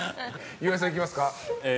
岩井さん、いきますか。